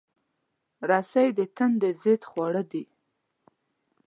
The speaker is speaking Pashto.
رس د تندې ضد خواړه دي